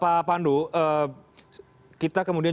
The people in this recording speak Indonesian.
pak pandu kita kemudian